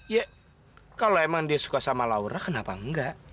ya kalau emang dia suka sama laura kenapa enggak